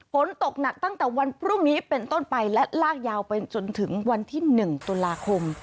ฝนตกหนักตั้งแต่วันพรุ่งนี้เป็นต้นไปและลากยาวไปจนถึงวันที่๑ตุลาคม